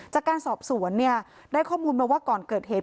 จากการสอบสวนเนี่ยได้ข้อมูลมาว่าก่อนเกิดเหตุ